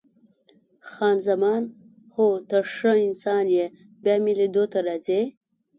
خان زمان: هو، ته ښه انسان یې، بیا مې لیدو ته راځې؟